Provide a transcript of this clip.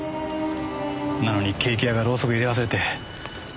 なのにケーキ屋がローソク入れ忘れて。